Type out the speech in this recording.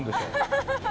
ハハハハハ！